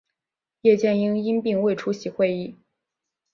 叶剑英因病未出席会议。